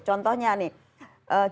contohnya nih jalan jalan bagus